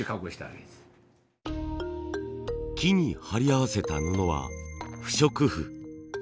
木に貼り合わせた布は不織布。